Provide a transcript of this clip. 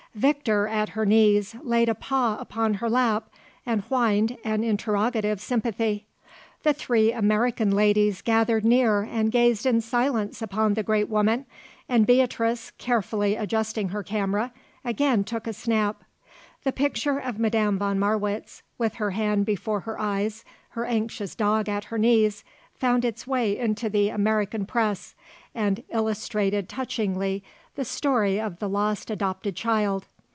Victor, at her knees, laid a paw upon her lap and whined an interrogative sympathy. The three American ladies gathered near and gazed in silence upon the great woman, and Beatrice, carefully adjusting her camera, again took a snap. The picture of Madame von Marwitz, with her hand before her eyes, her anxious dog at her knees, found its way into the American press and illustrated touchingly the story of the lost adopted child.